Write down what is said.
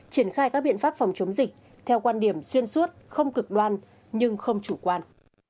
triển khai các biện pháp phòng chống dịch theo quan điểm xuyên suốt không cực đoan nhưng không chủ quan